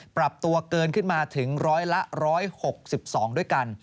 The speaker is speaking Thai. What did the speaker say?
ปรับตัวเกินขึ้นมาถึงร้อยละ๑๖๒ด้วยกัน